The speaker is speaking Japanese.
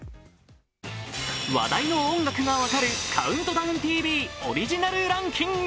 話題の音楽が分かる「ＣＯＵＮＴＤＯＷＮＴＶ」オリジナルランキング。